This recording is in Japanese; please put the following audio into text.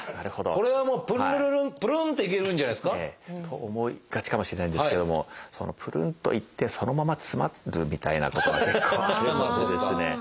これはもうプンルルルンプルンっていけるんじゃないですか？と思いがちかもしれないんですけどもそのプルンといってそのまま詰まるみたいなことが結構あるのでですね。